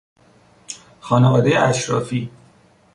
خانوادهی اشرافی